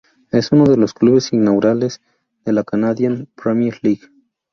Es uno de los clubes inaugurales de la Canadian Premier League.